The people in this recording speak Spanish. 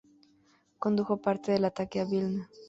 Condujo parte del ataque a Vilna.